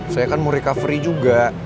saya kan mau recovery juga